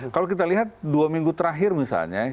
kalau kita lihat dua minggu terakhir misalnya